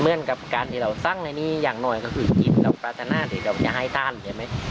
เมื่อนกับการที่เราสร้างในนี้อย่างหน่อยก็คือจิตกับปราศนาที่เราจะให้ท่านเห็นไหม